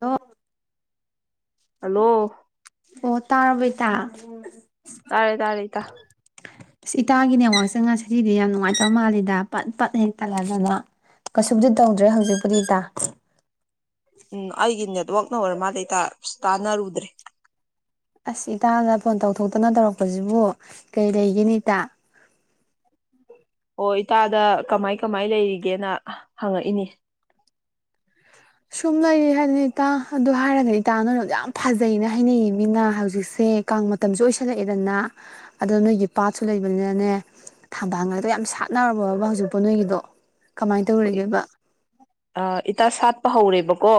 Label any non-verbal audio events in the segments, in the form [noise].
ꯍ ꯍꯜꯂꯣ ꯑꯣ ꯇꯔꯕꯥ ꯇ ꯇꯥꯔꯦ ꯇꯥꯔꯦ ꯏ ꯇ ꯑꯁ ꯏꯇꯥꯒꯤꯅꯦ ꯋꯥꯥꯛ ꯆꯪ ꯉꯁꯤꯖꯤꯗꯤ ꯌꯥꯝ ꯅꯨꯡꯉꯥꯏꯇꯕ ꯃꯥꯜꯂꯤꯗ ꯄꯠ ꯄꯠ ꯍꯦꯛ ꯇꯜꯂꯗꯅ ꯀꯩꯁꯨꯗꯤ ꯇꯧꯗ꯭ꯔꯦ ꯍꯧꯖꯤꯛꯄꯨꯗꯤ ꯏꯇꯥ ꯎꯝ ꯑꯩꯒꯤ ꯅꯦꯠꯋꯥꯛ ꯅ ꯑꯣꯏꯔ ꯃꯥꯜꯩ ꯇꯥꯅꯔꯨꯗ꯭ꯔꯦ ꯑꯁ ꯏꯇꯥꯅ ꯐꯣꯟ ꯇꯧꯊꯣꯛꯇꯅ ꯇꯧꯔꯛꯄꯁꯤꯕꯨ ꯀꯔꯤ ꯂꯩꯒꯦꯅꯤ ꯏꯇꯥ ꯑꯣ ꯏꯇꯥꯗ ꯀꯃꯥꯏ ꯀꯃꯥꯏ ꯂꯩꯔꯤꯒꯦꯅ ꯍꯪꯉꯛꯏꯅꯤ ꯁꯨꯝ ꯂꯩꯔꯤ ꯍꯥꯏꯗꯅ ꯏꯇꯥ ꯑꯗꯨ ꯍꯥꯏꯔꯒꯗꯤ ꯏꯇꯥ ꯅꯣꯏꯅ ꯌꯥꯝ ꯐꯖꯩꯅ ꯍꯥꯏꯅꯩꯏ ꯃꯤꯅ ꯍꯧꯖꯤꯛꯁꯦ ꯀꯥꯡ ꯃꯇꯝꯁꯨ ꯑꯣꯏꯁꯜꯂꯛꯑꯦꯗꯅ ꯑꯗꯣ ꯅꯣꯏꯒꯤ ꯄꯥꯠꯁꯨ ꯂꯩꯕꯅꯤꯅꯅꯦ ꯊꯝꯕꯥꯜ ꯂꯩꯗ ꯌꯥꯝ ꯁꯥꯠꯅꯔꯕꯕ ꯍꯧꯖꯤꯛꯄꯥꯎ ꯅꯣꯏꯒꯤꯗꯣ ꯀꯃꯥꯏꯅ ꯇꯧꯔꯤꯒꯦꯕ ꯏꯇꯥ ꯁꯥꯠꯄ ꯍꯧꯔꯦꯕꯀꯣ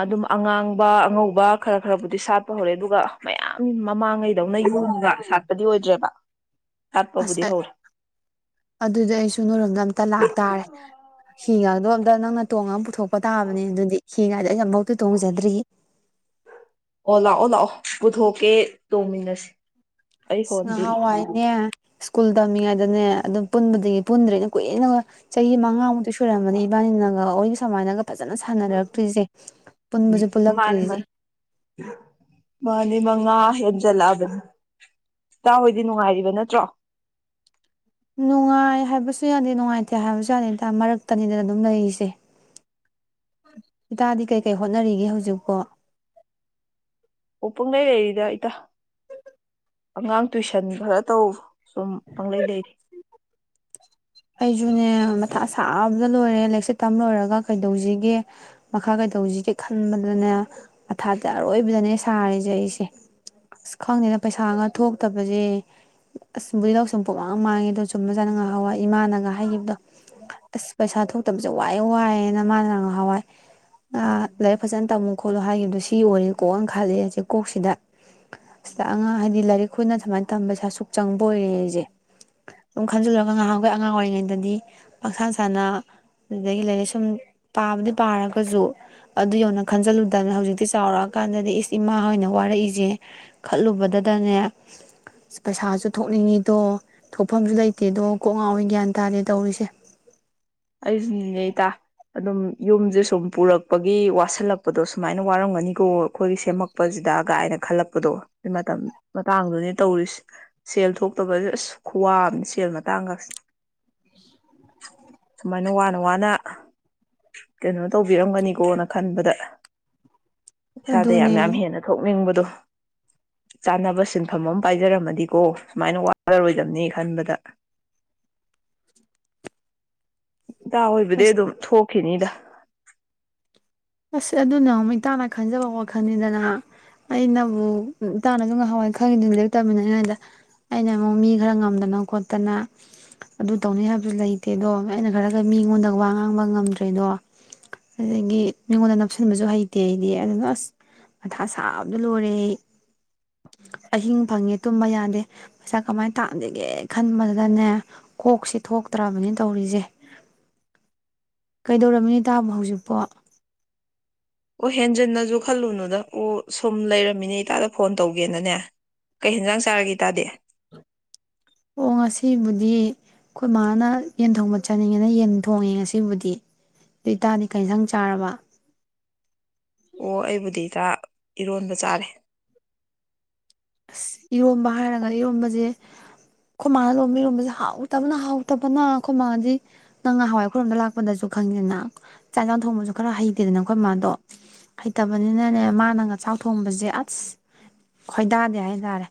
ꯑꯗꯨꯝ ꯑꯉꯥꯡꯕ ꯑꯉꯧꯕ ꯈꯔ ꯈꯔꯕꯨꯗꯤ ꯁꯥꯠꯄ ꯍꯧꯔꯦ ꯑꯗꯨꯒ ꯃꯌꯥꯝ ꯃꯃꯥꯡꯉꯩꯗꯧꯅ ꯌꯣꯝꯃꯒ ꯁꯥꯠꯄꯗꯤ ꯑꯣꯏꯗ꯭ꯔꯦꯕ ꯁꯥꯠꯄꯕꯨꯗꯤ ꯑꯁ ꯍꯧꯔꯦ ꯑꯗꯨꯗꯤ ꯑꯩꯁꯨ ꯅꯔꯣꯝꯗ ꯑꯝꯇ ꯂꯥꯛꯇꯥꯔꯦ ꯍꯤꯒ ꯑꯗꯣꯝꯗ ꯅꯪꯅ ꯇꯣꯡꯉꯒ ꯄꯨꯊꯣꯛꯄ ꯇꯥꯕꯅꯦ ꯑꯗꯨꯗꯤ ꯍꯤꯉꯗ ꯑꯩ ꯑꯃꯐꯧꯇ ꯇꯣꯡꯖꯗ꯭ꯔꯤ ꯑꯣ ꯂꯥꯛꯑꯣ ꯂꯥꯛꯑꯣ ꯄꯨꯊꯣꯛꯀꯦ ꯇꯣꯡꯃꯤꯟꯅꯁꯤ ꯑꯩ ꯍꯣꯟꯗꯤ ꯉꯥꯍꯋꯥꯏꯅꯦ ꯁ꯭ꯀꯨꯜ ꯇꯝꯃꯤꯉꯩꯗꯅꯦ ꯑꯗꯨꯝ ꯄꯨꯟꯕꯗꯒꯤ ꯄꯨꯟꯗ꯭ꯔꯦꯅ ꯀꯨꯏꯅꯒ ꯆꯍꯤ ꯃꯉꯥꯃꯨꯛꯇꯤ ꯁꯨꯔꯝꯕꯅꯤ ꯏꯕꯥꯅꯤꯅꯒ ꯑꯩꯒ ꯁꯨꯃꯥꯏꯅꯒ ꯐꯖꯅ ꯁꯥꯟꯅꯔꯛꯇ꯭ꯣꯏꯁꯦ ꯎꯝ ꯃꯥꯅꯤ ꯃꯥꯅꯤ ꯃꯥꯅꯤ ꯃꯉ ꯍ ꯆꯠꯂꯛꯑꯕꯅ ꯏꯇꯥ ꯍꯣꯏꯗꯤ ꯅꯨꯡꯉꯥꯏꯔꯤꯕ ꯅꯠꯇ꯭ꯔꯣ ꯅꯨꯡꯉꯥꯏ ꯍꯥꯏꯕꯁꯨ ꯌꯥꯗꯦ ꯅꯨꯡꯉꯥꯏꯇꯦ ꯍꯥꯏꯕꯁꯨ ꯌꯥꯗꯦ ꯏꯇꯥ ꯃꯔꯛꯇꯅꯤꯗꯅ ꯑꯗꯨꯝ ꯂꯩꯔꯤꯁꯦ ꯏꯇꯥꯗꯤ ꯀꯩꯀꯩ ꯍꯣꯠꯅꯔꯤꯒꯦ ꯍꯧꯖꯤꯛꯀꯣ ꯑꯣ ꯄꯪꯂꯩ ꯂꯩꯔꯤꯗ ꯏꯇꯥ ꯑꯉꯥꯡ ꯇꯨꯏꯁꯟ ꯈꯔ ꯇꯧ ꯁꯨꯝ ꯄꯪꯂꯩ ꯂꯩꯔꯤ ꯑꯩꯁꯨꯅꯦ ꯃꯊꯥ ꯁꯥꯕꯗ ꯂꯣꯏꯔꯦ ꯂꯥꯏꯔꯤꯛꯁꯦ ꯇꯝ ꯂꯣꯏꯔꯒ ꯀꯩꯗꯧꯁꯤꯒꯦ ꯃꯈꯥ ꯀꯩꯗꯧꯁꯤꯒꯦ ꯈꯟꯕꯗꯅꯦ ꯃꯊꯥꯗꯤ ꯑꯔꯣꯏꯕꯤꯗꯅꯦ ꯁꯥꯔꯤꯁꯦ ꯑꯩꯁꯦ ꯑꯁ ꯈꯪꯗꯦꯅ ꯄꯩꯁꯥꯒ ꯊꯣꯛꯇꯕꯁꯦ ꯑꯁ ꯕꯨꯗꯤ ꯂꯧꯁꯤꯡ ꯄꯨꯡꯃꯥꯡ ꯃꯥꯡꯉꯦꯗꯣ ꯆꯨꯝꯕ ꯖꯥꯠꯅꯦ ꯉꯍꯥꯟꯋꯥꯏ ꯏꯃꯥꯅꯒ ꯍꯥꯏꯈꯤꯕꯗꯣ ꯑꯁ ꯄꯩꯁꯥ ꯊꯣꯛꯇꯕꯁꯦ ꯋꯥꯏ ꯋꯥꯏꯑꯦꯅ ꯃꯥꯅꯅ ꯉꯍꯥꯟꯋꯥꯏ ꯑ ꯂꯥꯏꯔꯤꯛ ꯐꯖꯅ ꯇꯝꯃꯨ ꯈꯣꯠꯂꯨ ꯍꯥꯏꯈꯤꯕꯗꯣ ꯁꯤ ꯑꯣꯏꯔꯦ ꯀꯣ ꯅ ꯈꯂꯛꯑꯦ ꯍꯧꯖꯤꯛ ꯀꯣꯛꯁꯤꯗ ꯁꯤꯗ ꯑꯉꯥꯡ ꯍꯥꯏꯗꯤ ꯂꯥꯏꯔꯤꯛ ꯈꯣꯏꯅ ꯁꯨꯃꯥꯏꯅ ꯇꯝꯕꯁꯦ ꯄꯩꯁꯥ ꯑ ꯁꯨꯛ ꯆꯪꯕ ꯑꯣꯏꯔꯦ ꯑꯩꯁꯦ ꯑꯗꯨꯝ ꯈꯟꯖꯤꯜꯂꯒ ꯉꯥꯏꯍꯥꯛ ꯑꯩꯈꯣꯏ ꯑꯉꯥꯡ ꯑꯣꯏꯔꯤꯉꯩꯗꯗꯤ ꯄꯪꯁꯥꯟ ꯁꯥꯟꯅ ꯑꯗꯨꯗꯒꯤ ꯂꯩꯔꯦ ꯁꯨꯝ ꯄꯥꯕꯨꯗꯤ ꯄꯥꯔꯒꯁꯨ ꯑꯗꯨ ꯌꯧꯅ ꯈꯟꯖꯜꯂꯨꯗꯕꯅꯤꯅ ꯍꯧꯖꯤꯛꯇꯤ ꯆꯥꯎꯔꯛꯑ ꯀꯥꯟꯗꯗꯤ ꯏꯁ ꯏꯃꯥ ꯍꯣꯏꯅ ꯋꯥꯔꯛꯏꯁꯦ ꯈꯜꯂꯨꯕꯗꯗꯅꯦ ꯄꯩꯁꯥꯁꯨ ꯊꯣꯛꯅꯤꯡꯉꯤꯗꯣ ꯊꯣꯛꯐꯝꯁꯨ ꯂꯩꯇꯦꯗꯣ ꯀꯣꯛ ꯉꯥꯎꯤ ꯒ꯭ꯌꯥꯟ ꯇꯥꯔꯦ ꯇꯧꯔꯤꯁꯦ ꯑꯩꯁꯨꯅꯤꯅꯦ ꯏꯇꯥ ꯑꯗꯨꯝ ꯌꯨꯝꯁꯦ ꯁꯨꯝ ꯄꯨꯔꯛꯄꯒꯤ ꯋꯥꯁꯤꯜꯂꯛꯄꯗꯣ ꯁꯨꯃꯥꯏꯅ ꯋꯥꯔꯝꯒꯅꯤꯀꯣ ꯑꯩꯈꯣꯏꯒꯤ ꯁꯦꯝꯃꯛꯄꯁꯤꯗ ꯀꯥꯏꯅ ꯈꯜꯂꯛꯄꯗꯣ ꯃꯇꯝ ꯃꯇꯥꯡꯗꯨꯗꯤ ꯇꯧꯔꯤꯁꯤ ꯁꯦꯜ ꯊꯣꯛꯇꯕ ꯑꯁ ꯈꯨꯋꯥ ꯑꯃꯅꯤ ꯁꯦꯜ ꯃꯇꯥꯡꯀꯁꯦ ꯁꯨꯃꯥꯏꯅ ꯋꯥꯅ ꯋꯥꯅ ꯀꯩꯅꯣ ꯇꯧꯕꯤꯔꯝꯒꯅꯤꯀꯣꯅ ꯈꯟꯕꯗ ꯏꯁꯥꯗ ꯌꯥꯝ ꯑꯗꯨꯅꯦ ꯌꯥꯝ ꯍꯦꯟꯅ ꯊꯣꯛꯅꯤꯡꯕꯗꯣ ꯆꯥꯅꯕ ꯁꯤꯟꯐꯝ ꯑꯃ ꯄꯥꯏꯖꯔꯝꯃꯗꯤꯀꯣ ꯁꯨꯃꯥꯏꯅ ꯋꯥꯔꯔꯣꯏꯗꯕꯅꯤ ꯈꯟꯕꯗ ꯏꯇꯥ ꯍꯣꯏꯕꯨꯗꯤ ꯑꯗꯨꯝ ꯊꯣꯛ ꯈꯤꯅꯤꯗ ꯑꯁ ꯑꯗꯨꯅ ꯑꯃꯨꯛ ꯏꯇꯥꯥꯟꯅ ꯈꯟꯖꯕ ꯋꯥꯈꯜꯅꯤꯗꯅ ꯑꯩꯅꯕꯨ ꯏꯇꯥꯅꯖꯨ ꯉꯍꯥꯟꯋꯥꯏ ꯈꯪꯉꯤꯗꯨꯅꯤ ꯂꯥꯏꯔꯤꯛ ꯇꯝꯃꯤꯟꯅꯔꯤ ꯉꯩꯗ ꯑꯩꯅ ꯑꯃꯨꯛ ꯃꯤ ꯈꯔ ꯉꯝꯗꯅ ꯈꯣꯠꯇꯅ ꯑꯗꯨ ꯇꯧꯅꯤ ꯍꯥꯏꯕꯁꯨ ꯂꯩꯇꯦꯗꯣ ꯑꯩꯅ ꯈꯔꯒ ꯃꯤꯉꯣꯟꯗ ꯋꯥ ꯉꯥꯡꯕ ꯉꯝꯗ꯭ꯔꯦꯗꯣ ꯑꯗꯒꯤ ꯃꯤꯉꯣꯟꯗ ꯅꯞꯁꯤꯟꯕꯁꯨ ꯍꯩꯇꯦ ꯑꯩꯗꯤ ꯑꯗꯨꯅ ꯑꯁ ꯃꯊꯥ ꯁꯥꯕꯗ ꯂꯣꯏꯔꯦ ꯑꯩ ꯑꯍꯤꯡ ꯐꯪꯉꯦ ꯇꯨꯝꯕ ꯌꯥꯗꯦ ꯄꯩꯁꯥ ꯀꯃꯥꯏꯅ ꯇꯥꯟꯖꯤꯒꯦ ꯈꯟꯕꯗꯅꯦ ꯀꯣꯛꯁꯦ ꯊꯣꯛꯇ꯭ꯔꯕꯅꯤ ꯇꯧꯔꯤꯁꯦ ꯀꯩꯗꯧꯔꯝꯃꯤꯅꯣ ꯏꯇꯥꯕꯨ ꯍꯧꯖꯤꯛꯄꯣ ꯑꯣ ꯍꯦꯟꯖꯤꯟꯅꯁꯨ ꯈꯜꯂꯨꯅꯨꯗ ꯑꯣ ꯁꯨꯝ ꯂꯩꯔꯝꯃꯤꯅꯦ ꯏꯇꯥꯗ ꯐꯣꯟ ꯇꯧꯒꯦꯅꯅꯦ ꯀꯩ ꯌꯦꯟꯖꯥꯡ ꯆꯥꯔꯒꯦ ꯏꯇꯥꯗꯤ ꯑꯣ ꯉꯁꯤꯕꯨꯗꯤ ꯑꯩꯈꯣꯏ ꯃꯥꯅ ꯌꯦꯟ ꯊꯣꯡꯕ ꯆꯥꯅꯤꯡꯉꯦꯅ ꯌꯦꯟ ꯊꯣꯡꯉꯦ ꯉꯁꯤꯕꯨꯗꯤ ꯏꯇꯥꯗꯤ ꯀꯩ ꯏꯟꯁꯥꯡ ꯆꯥꯔꯕ ꯑꯣ ꯑꯩꯕꯨꯗꯤꯗ ꯏꯇꯥ ꯏꯔꯣꯟꯕ ꯆꯥꯔꯦ ꯑꯁ ꯏꯔꯣꯝꯕ ꯍꯥꯏꯔꯒ ꯏꯔꯣꯝꯕꯁꯦ ꯑꯩꯈꯣꯏ ꯃꯥꯅ ꯂꯣꯝꯕ ꯏꯔꯣꯝꯕꯁꯦ ꯍꯥꯎꯇꯕꯅ ꯍꯥꯎꯇꯕꯅ ꯑꯈꯣꯏ ꯃꯥꯗꯤ ꯅꯪ ꯉ ꯍꯥꯟꯋꯥꯏ ꯈꯣꯏꯔꯣꯝꯗ ꯂꯥꯛꯄꯗꯁꯨ ꯈꯪꯗꯦꯗꯅ ꯆꯥꯛ ꯏꯟꯖꯥꯡ ꯊꯣꯡꯕꯁꯨ ꯈꯔ ꯍꯩꯇꯦꯗꯅ ꯑꯩꯈꯣꯏ ꯏꯃꯥꯟꯗꯣ ꯍꯩꯇꯕꯅꯤꯅꯅꯦ ꯃꯥꯅꯒ ꯆꯥꯛ ꯊꯣꯡꯕꯁꯦ ꯑꯁ ꯈꯣꯏꯗꯥ ꯗꯦ ꯍꯥꯏ ꯇꯥꯔꯦ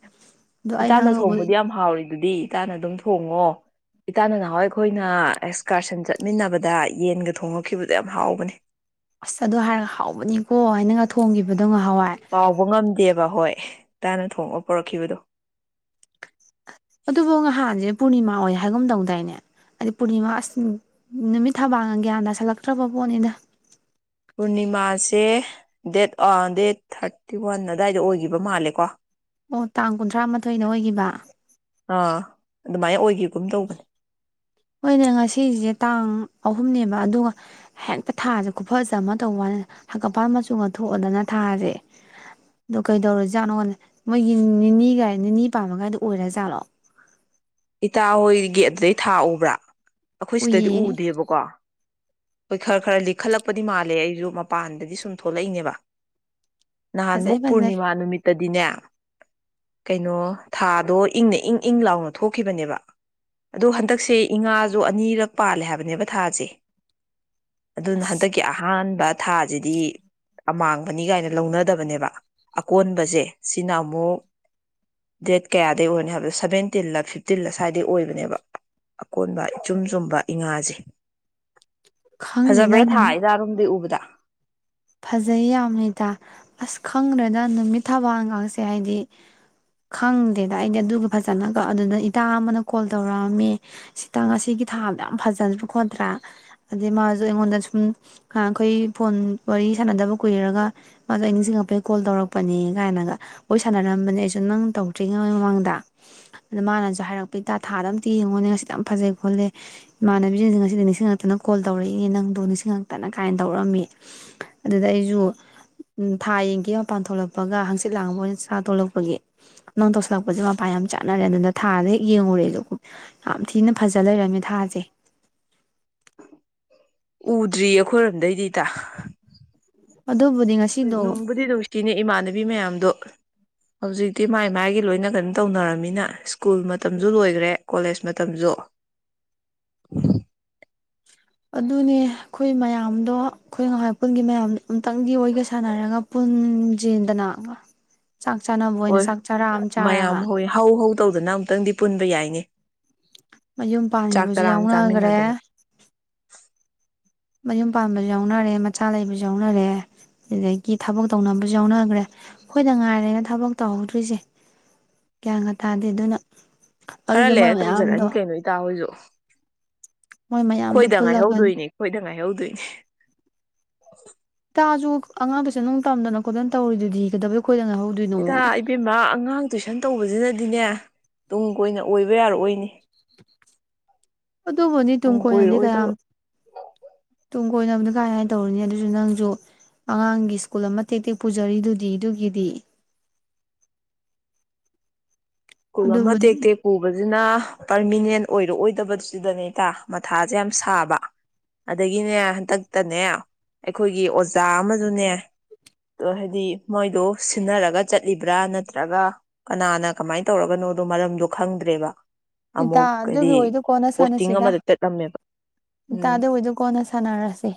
ꯏꯇꯥꯅ ꯊꯣꯡꯕꯗꯤ ꯌꯥꯝ ꯍꯥꯎꯔꯤ ꯗꯨꯗꯤ ꯏꯇꯥꯅ ꯑꯗꯨꯝ ꯊꯣꯡꯉꯣ ꯏꯇꯥꯅ ꯅꯍꯥꯟꯋꯥꯏ ꯑꯩꯈꯣꯏꯅ ꯑꯦꯛꯁꯀꯔꯁꯟ ꯆꯠꯃꯤꯟꯅꯕꯗ ꯌꯦꯟꯒ ꯊꯣꯡꯉꯛꯈꯤꯕꯗꯣ ꯌꯥꯝ ꯍꯥꯎꯕꯅꯦ ꯑꯁ ꯑꯗꯨ ꯍꯥꯏꯔꯒ ꯍꯥꯎꯕꯅꯤꯀꯣ ꯑꯩꯅꯒ ꯊꯣꯡꯈꯤꯕꯗꯣ ꯉꯍꯥꯟꯋꯥꯏ ꯀꯥꯎꯕ ꯉꯝꯗꯦꯕ ꯍꯣꯏ ꯏꯇꯥꯅ ꯊꯣꯡꯉ ꯄꯣꯔꯛꯈꯤꯕꯗꯣ ꯑꯗꯨꯕꯨ ꯉꯍꯥꯟꯁꯦ ꯄꯨꯔꯅꯤꯃꯥ ꯑꯣꯏ ꯍꯥꯏꯒꯨꯝ ꯇꯧꯗꯥꯏꯅꯦ ꯍꯥꯏꯗꯤ ꯄꯨꯔꯅꯤꯃꯥ ꯑꯁ ꯅꯨꯃꯤꯠ ꯊꯕꯥꯟꯒ ꯒ꯭ꯌꯥꯟ ꯇꯁꯜꯂꯛꯇ꯭ꯔꯕ ꯄꯣꯠꯅꯤꯗ ꯄꯨꯔꯅꯤꯃꯥꯁꯦ ꯗꯦꯠ ꯗꯦꯠ ꯊꯥꯔꯇꯤ ꯋꯥꯟ ꯑꯗꯨꯗꯥꯋꯥꯏꯗ ꯑꯣꯏꯈꯤꯕ ꯃꯥꯜꯂꯦꯀꯣ ꯑꯣ ꯇꯥꯡ ꯀꯨꯟꯊ꯭ꯔꯥ ꯃꯥꯊꯣꯏꯗ ꯑꯣꯏꯈꯤꯕ ꯑꯣꯏꯈꯤꯒꯨꯝ ꯇꯧꯕꯅꯤ ꯍꯣꯏꯅꯦ ꯉꯁꯤꯁꯦ ꯇꯥꯡ ꯑꯍꯨꯝꯅꯦꯕ ꯑꯗꯨꯒ ꯍꯦꯛꯇ ꯊꯥꯁꯦ ꯈꯨꯐꯖꯃ ꯇꯧꯕꯋꯥꯅꯦ ꯍꯪꯒꯄꯥꯟ ꯃꯆꯨ ꯒ ꯊꯣꯛꯑꯗꯅ ꯊꯥꯁꯦ ꯑꯗꯨ ꯀꯩꯗꯧꯔꯖꯥꯠꯅꯣ ꯃꯣꯏꯒꯤ ꯅꯤꯅꯤꯒ ꯅꯤꯅꯤ ꯄꯥꯟꯕꯒꯥꯏꯗꯣ ꯑꯣꯏꯔ ꯖꯥꯠꯂꯣ ꯏꯇꯥ ꯍꯣꯏ ꯒꯤ ꯑꯗꯨꯗꯩ ꯊꯥ ꯎꯕ꯭ꯔꯥ ꯑꯩꯈꯣꯏ ꯁꯤꯗꯗꯤ ꯎꯏꯌꯦ ꯎꯗꯦꯕꯀꯣ ꯍꯣꯏ ꯈꯔ ꯈꯔ ꯂꯤꯛꯈꯠꯂꯛꯄꯗꯤ ꯃꯥꯜꯂꯦ ꯑꯩꯁꯨ ꯃꯄꯥꯟꯗꯗꯤ ꯁꯨꯝ ꯊꯣꯛꯂꯛꯏꯅꯦꯕ ꯅꯍꯥꯟ ꯐꯖꯩ ꯃꯨꯛ ꯐꯖꯩ ꯄꯨꯔꯅꯤꯃꯥ ꯅꯨꯃꯤꯠꯇꯗꯤꯅꯦ ꯀꯩꯅꯣ ꯊꯥꯗꯣ ꯏꯪꯅ ꯏꯪ ꯏꯪ ꯂꯥꯎꯅ ꯊꯣꯛꯈꯤꯕꯅꯦꯕ ꯑꯗꯣ ꯍꯟꯗꯛꯁꯦ ꯏꯉꯥꯁꯨ ꯑꯅꯤꯔꯛ ꯄꯥꯜꯂꯦ ꯍꯥꯏꯕꯅꯦꯕ ꯊꯥꯁꯦ ꯑꯗꯨꯅ ꯑꯁ ꯍꯟꯗꯛꯀꯤ ꯑꯍꯥꯟ ꯊꯥꯁꯤꯗꯤ ꯑꯃꯥꯡꯕꯅꯤ ꯀꯥꯏꯅ ꯂꯧꯅꯗꯕꯅꯦꯕ ꯑꯀꯣꯟꯕꯁꯦ ꯁꯤꯅ ꯑꯃꯨꯛ ꯗꯦꯠ ꯀꯌꯥꯗꯩ ꯑꯣꯏꯅꯤ ꯍꯥꯏꯕꯗ ꯁꯕꯦꯟ ꯇꯤꯜꯂ ꯐꯤꯞꯇꯤꯟꯂ ꯁ꯭ꯋꯥꯏꯗꯩ ꯑꯣꯏꯕꯅꯦꯕ ꯑꯀꯣꯟꯕ ꯏꯆꯨꯝ ꯆꯨꯝꯕ ꯏꯉꯥꯁꯦ ꯈꯪꯗꯦꯗ ꯐꯖꯕ꯭ꯔꯥ ꯅꯨꯃꯤꯠ ꯊꯥ [unintelligible] ꯎꯕꯗ ꯐꯖꯩ ꯌꯥꯝꯅ ꯏꯇꯥ ꯑꯁ ꯈꯪꯗ꯭ꯔꯦꯗ ꯅꯨꯃꯤꯠ ꯊꯕꯥꯜꯒꯁꯦ ꯍꯥꯏꯗꯤ ꯈꯪꯗꯦꯗ ꯑꯩꯗꯤ ꯑꯗꯨꯒ ꯐꯖꯅꯒ ꯑꯗꯨꯅ ꯏꯇꯥ ꯑꯃꯅ ꯀꯣꯜ ꯇꯧꯔꯛꯑꯝꯃꯦ ꯏꯇꯥ ꯉꯁꯤꯒꯤ ꯊꯥꯗꯨ ꯌꯥꯝ ꯐꯖꯗ꯭ꯔ ꯈꯣꯠꯇ꯭ꯔꯥ ꯑꯗꯩ ꯃꯥꯁꯨ ꯑꯩꯉꯣꯟꯗ ꯁꯨꯝ ꯅꯍꯥꯟꯈꯣꯏ ꯐꯣꯟ ꯋꯥꯔꯤ ꯁꯥꯟꯅꯗꯕ ꯀꯨꯏꯔꯒ ꯃꯥꯁꯨ ꯑꯩ ꯅꯤꯡꯁꯤꯡꯉꯛꯄꯒꯤ ꯀꯣꯜ ꯇꯧꯔꯛꯄꯅꯦ ꯀꯥꯏꯅꯒ ꯋꯥꯔꯤ ꯁꯥꯟꯅꯔꯝꯕꯅꯦ ꯑꯩꯁꯨ ꯅꯪ ꯇꯧꯗ꯭ꯔꯤꯉꯩ ꯃꯃꯥꯡꯗ ꯑꯗ ꯃꯥꯅꯁꯨ ꯍꯥꯏꯔꯛꯄ ꯏꯇꯥꯥ ꯊꯥꯗꯨ ꯑꯃꯇ ꯌꯦꯡꯉꯣꯅꯦ ꯉꯁꯤ ꯐꯖꯩ ꯈꯣꯠꯂꯦ ꯏꯃꯥꯟꯅꯕꯤꯁꯤꯡꯁꯦ ꯉꯁꯤꯗꯤ ꯅꯤꯡꯁꯤꯡꯉꯛꯇꯅ ꯀꯣꯜ ꯇꯧꯔꯛꯏꯅꯦ ꯅꯪꯗꯣ ꯅꯤꯡꯁꯤꯡꯉꯛꯇꯅ ꯀꯥꯏꯅ ꯇꯧꯔꯛꯑꯝꯃꯤ ꯑꯗꯨꯗ ꯑꯩꯁꯨ ꯊꯥ ꯌꯦꯡꯒꯦ ꯃꯄꯥꯟ ꯊꯣꯛꯂꯛꯄꯒ ꯍꯪꯆꯤꯠ ꯂꯥꯡꯕ ꯑꯣꯏꯅ ꯆꯥ ꯊꯣꯛꯂꯛꯄꯒꯤ ꯅꯪ ꯇꯧꯁꯤꯜꯂꯛꯄꯁꯦ ꯃꯄꯥꯟ ꯌꯥꯝ ꯆꯥꯅꯔꯦ ꯑꯗꯨꯅ ꯊꯥꯗ ꯍꯦꯛ ꯌꯦꯡꯉꯨꯔꯦꯁꯨ ꯌꯥꯝ ꯊꯤꯅ ꯐꯖ ꯂꯩꯔꯝꯃꯦ ꯊꯥꯁꯦ ꯎꯗ꯭ꯔꯤ ꯑꯩꯈꯣꯏꯔꯣꯝꯗꯩꯗꯤ ꯏꯇꯥ ꯑꯗꯨꯕꯨꯗꯤ ꯉꯁꯤꯗꯣ ꯅꯨꯡꯕꯨꯗꯤ ꯅꯨꯡꯁꯤꯅꯦ ꯏꯃꯥꯟꯅꯕꯤ ꯃꯌꯥꯝꯗꯣ ꯍꯧꯖꯤꯛꯇꯤ ꯃꯥꯏ ꯃꯥꯥꯏꯒꯤ ꯂꯣꯏꯅ ꯀꯩꯅꯣ ꯇꯧꯅꯔꯝꯃꯤꯅ ꯁ꯭ꯀꯨꯜ ꯃꯇꯝꯁꯨ ꯂꯣꯏꯈ꯭ꯔꯦ ꯀꯣꯂꯦꯖ ꯃꯇꯝꯁꯨ ꯑꯗꯨꯅꯦ ꯑꯈꯣꯏ ꯃꯌꯥꯝꯗꯣ ꯑꯈꯣꯏ ꯉꯍꯥꯟꯋꯥꯏ ꯄꯨꯨꯟꯒꯤ ꯃꯌꯥꯝꯗꯨ ꯑꯃꯨꯛꯇꯪꯗꯤ ꯃꯣꯏꯒ ꯁꯥꯟꯅꯔꯒ ꯄꯨꯟꯖꯦꯗꯅ ꯍꯣꯏ ꯃꯌꯥꯝ ꯍꯣꯏ ꯍꯧ ꯍꯧ ꯇꯧꯗꯅ ꯑꯃꯨꯛꯇꯪꯗꯤ ꯄꯨꯟꯕ ꯌꯥꯏꯅꯦ ꯃꯌꯨꯝ ꯆꯥꯛ ꯄꯥꯟꯈꯤꯕꯁꯨ ꯆꯔꯥ ꯑꯃ ꯌꯥꯎꯅꯈ꯭ꯔꯦ ꯆꯥꯃꯤꯟꯅꯗꯅ ꯃꯌꯨꯝ ꯄꯥꯟꯕꯁꯨ ꯌꯥꯎꯅꯔꯦ ꯃꯆꯥ ꯂꯩꯕꯁꯨ ꯌꯥꯎꯅꯔꯦ ꯑꯗꯨꯗꯒꯤ ꯊꯕꯛ ꯇꯧꯅꯕꯁꯨ ꯌꯥꯎꯅꯈ꯭ꯔꯦ ꯑꯈꯣꯏꯗ ꯉꯥꯏꯔꯦ ꯊꯕꯛ ꯇꯧꯍꯧꯗ꯭ꯔꯤꯁꯦ ꯒ꯭ꯌꯥꯟꯒꯥ ꯇꯥꯗꯦ ꯑꯗꯨꯅ ꯈꯔ ꯑꯗꯨꯗꯣ ꯃꯣꯏ ꯂꯩꯔ ꯃꯌꯥꯝꯗꯣ ꯇꯧꯖꯔꯛꯑꯅꯤ ꯀꯩꯅꯣ ꯏꯇꯥ ꯍꯣꯏꯁꯨ ꯃꯣꯏ ꯃꯌꯥꯝꯗꯣ ꯈꯣꯏꯗ ꯄꯨꯜꯂꯒ ꯉꯥꯏꯍꯧꯗꯣꯏꯅꯤ ꯈꯣꯏꯗ ꯉꯥꯏꯍꯧꯗꯣꯏꯅꯤ [unintelligible] [unintelligible] ꯑꯉꯥꯡ ꯇꯨꯏꯁꯟ ꯅꯨꯡ ꯇꯝꯗꯅ ꯈꯣꯠꯇꯅ ꯇꯧꯔꯤꯗꯨꯗꯤ [unintelligible] ꯏꯇꯥ ꯏꯕꯦꯝꯃ ꯑꯉꯥꯡ ꯇꯨꯏꯁꯟ ꯇꯧꯕꯁꯤꯅꯗꯤꯅꯦ ꯇꯨꯡ ꯀꯣꯏꯅ ꯑꯣꯏꯕ ꯌꯥꯔꯛꯑꯣꯏꯅꯤ ꯑꯗꯨꯕꯨꯗꯤ ꯇꯨꯡ ꯀꯣꯏꯅꯗꯤ ꯀꯌꯥꯝ ꯇꯨꯡ ꯀꯣꯏꯅꯕꯗꯨ ꯀꯥꯏ ꯀꯥꯏꯅ ꯇꯧꯔꯨꯅꯤ ꯑꯗꯨꯁꯨ ꯅꯪꯁꯨ ꯑꯉꯥꯡꯒꯤ ꯁ꯭ꯀꯨꯜ ꯑꯃ ꯇꯦꯛ ꯇꯦꯛ ꯄꯨꯖꯔꯤꯗꯨꯗꯤ ꯑꯗꯨꯒꯤꯗꯤ ꯁꯀꯨꯜ ꯑꯃ ꯑꯗꯨꯕꯨꯗꯤ ꯇꯦꯛ ꯇꯦꯛ ꯄꯨꯕ ꯅ ꯄꯔꯃꯤꯅꯦꯟ ꯑꯣꯏꯔꯛꯑꯣꯏꯗꯕꯁꯤꯗꯅꯦ ꯏꯇꯥ ꯃꯊꯥꯁꯦ ꯌꯥꯝ ꯁꯥꯕ ꯑꯗꯒꯤꯅꯦ ꯍꯟꯗꯛꯇꯅꯦ ꯑꯩꯈꯣꯏꯒꯤ ꯑꯣꯖꯥ ꯑꯃꯖꯨꯅꯦ ꯍꯥꯏꯗꯤ ꯃꯣꯏꯗꯣ ꯁꯤꯟꯅꯔꯒ ꯆꯠꯂꯤꯕ꯭ꯔꯥ ꯅꯠꯇ꯭ꯔꯒ ꯀꯅꯥꯅ ꯀꯃꯥꯏꯅ ꯇꯧꯔꯒꯅꯣꯗꯣ ꯃꯔꯝꯗꯣ ꯈꯪꯗ꯭ꯔꯦꯕ ꯏꯇꯥ ꯑꯃꯨꯛ ꯍꯥꯏꯗꯤ ꯑꯗꯨꯒꯤ ꯑꯣꯏꯗꯨ ꯀꯣꯟꯅ ꯄꯣꯁꯇꯤꯡ ꯁꯥꯟꯅꯁꯤꯗ ꯑꯃꯗ ꯆꯠꯂꯝꯃꯦꯕ ꯏꯇꯥ ꯎꯝ ꯑꯗꯨ ꯑꯣꯏꯗꯨ ꯀꯣꯟꯅ ꯁꯥꯟꯅꯔꯁꯤ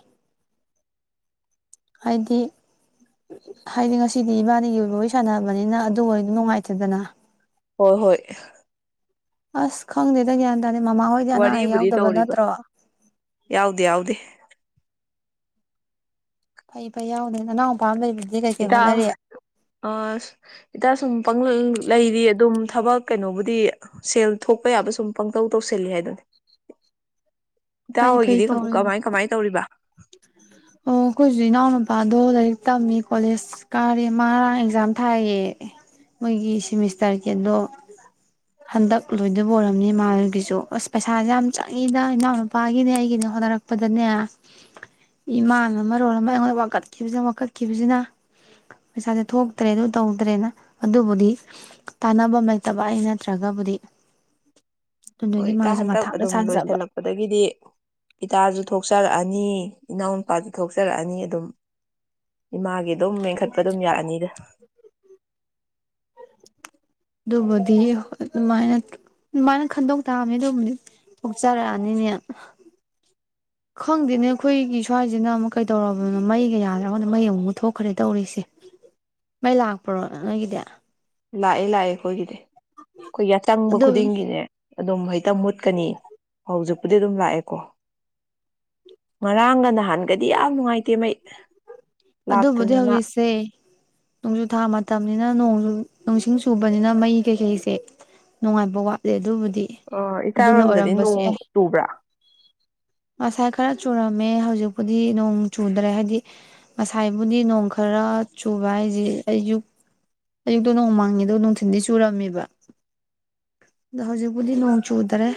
ꯍꯥꯏꯗꯤ ꯍꯥꯏꯗꯤ ꯉꯁꯤꯗꯤ ꯏꯕꯥꯅꯤꯒꯤ ꯑꯣꯏꯕ ꯋꯥꯔꯤ ꯁꯥꯟꯅꯕꯅꯤꯅ ꯑꯗꯨꯕꯨ ꯅꯨꯡꯉꯥꯏꯇꯦꯗꯅ ꯍꯣꯏ ꯍꯣꯏ ꯑꯁ ꯈꯪꯗꯦꯗ ꯒꯌꯥꯟ [unintelligible] ꯃꯃꯥ ꯍꯣꯏꯗꯤ ꯑꯅꯥ ꯑꯌꯦꯛ ꯋꯥꯔꯤꯕꯨꯗꯤ ꯌꯥꯎꯗꯕ ꯇꯧꯔꯤꯕ ꯅꯠꯇ꯭ꯔꯣ ꯌꯥꯎꯗꯦ ꯌꯥꯎꯗꯦ ꯐꯩ ꯐꯩ ꯌꯥꯎꯗꯦ ꯅꯅꯥꯎꯄꯥ ꯑꯃ ꯂꯩꯕ [unintelligible] ꯏꯇꯥ ꯏꯇꯥ ꯁꯨꯝ ꯄꯪꯂꯩ ꯂꯩꯔꯤ ꯑꯗꯨꯝ ꯊꯕꯛ ꯀꯩꯅꯣꯕꯨꯗꯤ ꯁꯦꯜ ꯊꯣꯛꯄ ꯌꯥꯕ ꯁꯨꯝ ꯄꯪꯇꯧ ꯇꯧꯁꯜꯂꯤ ꯍꯥꯏꯗꯨꯅꯤ ꯏꯇꯥ ꯐꯩ ꯐꯩ ꯍꯣꯏꯒꯤꯗꯤ ꯇꯧꯔꯤꯅ ꯀꯃꯥꯏ ꯀꯃꯥꯏꯅ ꯇꯧꯔꯤꯕ ꯑꯣ ꯑꯩꯈꯣꯏꯁꯨ ꯏꯅꯥꯎꯅꯨꯄꯥꯗꯣ ꯂꯥꯏꯔꯤꯛ ꯇꯝꯃꯤ ꯀꯣꯂꯦꯖ ꯀꯥꯔꯦ ꯃꯥ ꯉꯔꯥꯡ ꯑꯦꯛꯖꯥꯝ ꯊꯥꯏꯌꯦ ꯃꯣꯏꯒꯤ ꯁꯤꯃꯤꯁꯇꯔꯒꯤ ꯑꯗꯣ ꯍꯟꯗꯛ ꯂꯣꯏꯗꯕ ꯑꯣꯏꯔꯝꯅꯤ ꯃꯥꯒꯤꯁꯨ ꯑꯁ ꯄꯩꯁꯥꯁꯦ ꯌꯥꯝ ꯆꯪꯉꯤꯗ ꯏꯅꯥꯎꯅꯨꯄꯥꯒꯤꯅꯦ ꯑꯩꯒꯤꯅꯦ ꯍꯣꯠꯅꯔꯛꯄꯗꯅꯦ ꯏꯃꯥꯅ ꯃꯔꯣꯜ ꯑꯃ ꯑꯩꯉꯣꯟꯗ ꯋꯥꯀꯠꯈꯤꯕꯁꯤꯅ ꯋꯥꯀꯠꯈꯤꯕꯁꯤꯅ ꯄꯩꯁꯥꯁꯦ ꯊꯣꯛꯇ꯭ꯔꯦ ꯑꯗꯨ ꯇꯧꯗ꯭ꯔꯦꯅ ꯑꯗꯨꯕꯨꯗꯤ ꯇꯥꯟꯅꯕꯝ ꯂꯩꯇꯕ ꯑꯩ ꯅꯠꯇ꯭ꯔꯒꯕꯨꯗꯤ ꯍꯣꯏ ꯑꯗꯨꯗꯨꯒꯤ ꯏꯇꯥ ꯃꯥꯁꯨ ꯍꯟꯇꯛ ꯃꯊꯥꯗ ꯑꯗꯨꯝ ꯁꯥꯖꯕ ꯂꯣꯏꯁꯤꯜꯂꯛꯄꯗꯒꯤꯗꯤ ꯏꯇꯥꯁꯨ ꯊꯣꯛ ꯊꯣꯛꯆꯔꯛꯑꯅꯤ ꯏꯅꯥꯎ ꯅꯨꯨꯄꯥꯗ ꯊꯣꯛꯆꯔꯛꯑꯅꯤ ꯑꯗꯨꯝ ꯏꯃꯥꯒꯤ ꯑꯗꯨꯝ ꯃꯦꯟꯈꯠꯄ ꯑꯗꯨꯝ ꯌꯥꯑꯅꯤꯗ ꯑꯗꯨꯕꯨꯗꯤ ꯑꯗꯨꯃꯥꯏꯅ ꯑꯗꯨꯃꯥꯏꯅ ꯈꯟꯗꯣꯛ ꯇꯥꯑꯅꯤ ꯑꯗꯨꯕꯨꯗꯤ ꯄꯣꯛꯆꯔꯛꯑꯅꯤꯅꯦ ꯈꯪꯗꯦꯅꯦ ꯑꯩꯈꯣꯏꯒꯤ ꯁ꯭ꯋꯥꯏꯁꯤꯅ ꯑꯃꯨꯛ ꯀꯩꯗꯧꯔꯕꯅꯣ ꯃꯩꯒ ꯌꯥꯗ꯭ꯔꯒꯅ ꯃꯩ ꯑꯃꯨꯛ ꯄꯨꯊꯣꯛꯈ꯭ꯔꯦ ꯇꯧꯔꯤꯁꯦ ꯃꯩ ꯂꯥꯛꯄ꯭ꯔꯣ ꯅꯣꯏꯒꯤꯗꯤ ꯂꯥꯛꯑꯦ ꯂꯥꯛꯑꯦ ꯑꯩꯈꯣꯏꯒꯤꯗꯤ ꯑꯩꯈꯣꯏ ꯌꯥꯇꯪꯕ ꯑꯗꯨ ꯈꯨꯗꯤꯡꯒꯤꯅꯦ ꯑꯗꯨꯝ ꯍꯦꯛꯇ ꯃꯨꯠꯀꯅꯤ ꯍꯧꯖꯤꯛꯄꯨꯗꯤ ꯑꯗꯨꯝ ꯂꯥꯛꯑꯦꯀꯣ ꯉꯔꯥꯡꯒ ꯅꯍꯥꯟꯒꯗꯤ ꯌꯥꯝ ꯅꯨꯡꯉꯥꯏꯇꯦ ꯃꯩ ꯑꯗꯨꯕꯨꯗꯤ ꯂꯥꯛꯇꯗꯅ ꯍꯧꯖꯤꯛꯁꯦ ꯅꯣꯡꯖꯨ ꯊꯥ ꯃꯇꯝꯅꯤꯅ ꯅꯣꯡꯖꯨ ꯅꯣꯡꯁꯤꯡ ꯆꯨꯕꯅꯤꯅ ꯃꯩ ꯀꯩꯀꯩꯁꯦ ꯅꯨꯡꯉꯥꯏꯕ ꯋꯥꯠꯂꯦ ꯑꯗꯨꯕꯨꯗꯤ ꯑ ꯑꯗꯨꯅ ꯏꯀꯥꯏꯔꯣꯝꯗꯗꯤ ꯑꯣꯏꯔꯝꯕꯁꯨ ꯅꯣꯡ ꯌꯥꯏ ꯇꯨꯕ꯭ꯔꯥ ꯉꯁꯥꯏ ꯈꯔ ꯆꯨꯔꯝꯃꯦ ꯍꯧꯖꯤꯛꯄꯨꯗꯤ ꯅꯣꯡ ꯆꯨꯗ꯭ꯔꯦ ꯍꯥꯏꯗꯤ ꯉꯁꯥꯏꯕꯨꯗꯤ ꯅꯣꯡ ꯈꯔ ꯆꯨꯕ ꯍꯥꯏꯁꯦ ꯑꯌꯨꯛ ꯑꯌꯨꯛꯇ ꯅꯣꯡ ꯃꯪꯉꯦꯗ ꯅꯨꯡꯊꯤꯟꯗꯤ ꯆꯨꯔꯝꯃꯦꯕ ꯑꯗꯣ ꯍꯧꯖꯤꯛꯄꯨꯗꯤ ꯅꯣꯡ ꯆꯨꯗ꯭ꯔꯦ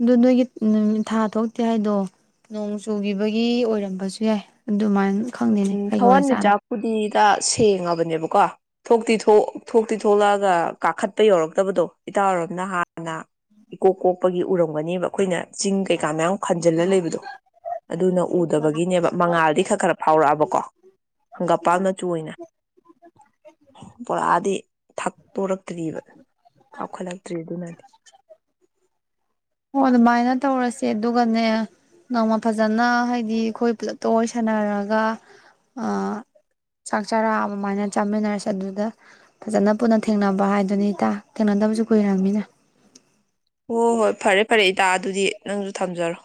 ꯑꯗꯨ ꯅꯣꯏꯒꯤ ꯅꯨꯃꯤ ꯊꯥ ꯊꯣꯛꯇꯦ ꯍꯥꯏꯗꯣ ꯅꯣꯡ ꯆꯨꯈꯤꯕꯒꯤ ꯑꯣꯏꯔꯝꯕꯁꯨ ꯌꯥꯏ ꯑꯗꯨꯃꯥꯏꯅ ꯈꯪꯗꯦꯅꯦ ꯎꯝ ꯀꯩꯒꯧꯔꯖꯥꯠꯅꯣ ꯊꯋꯥꯟꯃꯤꯆꯥꯛꯄꯨꯗꯤ ꯏꯇꯥ ꯁꯦꯡꯉꯕꯅꯦꯕꯀꯣ ꯊꯣꯛꯇꯤ ꯊꯣꯛꯇꯤ ꯊꯣꯛꯂꯛꯑꯒ ꯀꯥꯈꯠꯄ ꯌꯧꯔꯛꯇꯕꯗꯣ ꯏꯇꯥ ꯑꯣꯏꯔꯣꯝꯅ ꯍꯥꯟꯅ ꯏꯀꯣꯛ ꯀꯣꯛꯄꯒꯤ ꯎꯔꯝꯒꯅꯦꯕ ꯑꯩꯈꯣꯏꯅ ꯆꯤꯡ ꯀꯩꯀꯥ ꯃꯌꯥꯝ ꯈꯟꯖꯤꯜꯂ ꯂꯩꯕꯗꯣ ꯑꯗꯨꯅ ꯎꯗꯕꯒꯤꯅꯦꯕ ꯃꯉꯥꯜꯗꯤ ꯈꯔ ꯈꯔ ꯄꯨꯔꯛꯑꯕꯀꯣ ꯍꯪꯒꯥꯞ ꯄꯥꯝ ꯃꯆꯨꯅ ꯄꯨꯣꯔꯛꯑꯗꯤ ꯊꯛꯇꯣꯔꯛꯇ꯭ꯔꯤꯕ ꯀꯥꯎꯈꯠꯂꯛꯇ꯭ꯔꯤ ꯑꯗꯨꯅꯗꯤ ꯑꯣ ꯑꯗꯨꯃꯥꯏꯅ ꯇꯧꯔꯁꯦ ꯑꯗꯨꯒꯅꯦ ꯅꯣꯡꯃ ꯐꯖꯅ ꯍꯥꯏꯗꯤ ꯑꯩꯈꯣꯏ ꯄꯨꯂꯞꯇꯣ ꯋꯥꯔꯤ ꯁꯥꯟꯅꯔꯒ ꯑꯥ ꯆꯥꯛ ꯆꯥꯔꯥ ꯑꯗꯨꯃꯥꯏꯅ ꯆꯥꯃꯤꯟꯅꯔꯁꯦ ꯑꯗꯨꯗ ꯐꯖꯅ ꯄꯨꯟꯅ ꯊꯦꯡꯅꯕ ꯍꯥꯏꯗꯨꯅꯤ ꯏꯇꯥ ꯊꯦꯡꯅꯗꯕꯁꯨ ꯀꯨꯏꯔꯝꯃꯤꯅ ꯍꯣ ꯍꯣꯏ ꯐꯔꯦ ꯐꯔꯦ ꯏꯇꯥ ꯑꯗꯨꯗꯤ ꯅꯪꯁꯨ ꯊꯝꯖꯔꯣ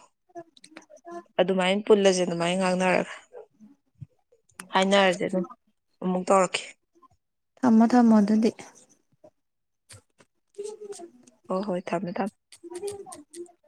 ꯑꯗꯨꯃꯥꯏꯅ ꯄꯨꯜꯂꯖꯦ ꯑꯗꯨꯃꯥꯏ ꯉꯥꯡꯅꯔꯒ ꯍꯥꯏꯅꯔꯖꯦ ꯑꯗꯨꯝ ꯑꯃꯨꯛ ꯇꯧꯔꯛꯀꯦ ꯊꯝꯃꯣ ꯊꯝꯃꯣ ꯑꯗꯨꯗꯤ [inaudible] ꯍꯣꯏ ꯍꯣꯏ ꯊꯝꯃꯦ ꯊꯝꯃꯦ [unintelligible]